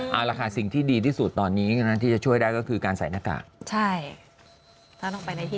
เอาละค่ะสิ่งที่ดีที่สุดตอนนี้ที่จะช่วยได้ก็คือการใส่หน้ากากใช่